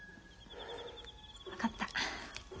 分かった。